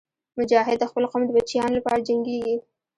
مجاهد د خپل قوم د بچیانو لپاره جنګېږي.